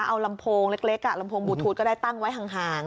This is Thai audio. เอาลำโพงเล็กลำโพงบูทูธก็ได้ตั้งไว้ห่าง